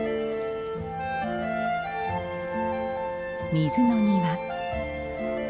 水の庭。